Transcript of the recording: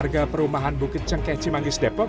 keluarga perumahan bukit cengkeci manggis depok